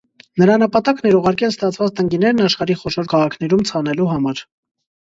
Նրա նպատակն էր ուղարկել ստացված տնկիներն աշխարհի խոշոր քաղաքներում ցանելու համար։